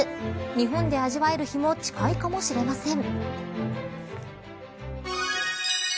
日本で味わえる日も近いかもしれません。